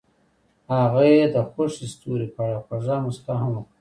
هغې د خوښ ستوري په اړه خوږه موسکا هم وکړه.